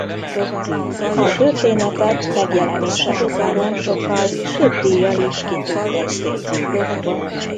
A történetet megjelenése után nem sokkal több díjjal is kitüntették.